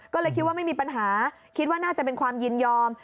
ก็เลยคิดว่าไม่มีปัญหาคิดว่าน่าจะเป็นความยินยอม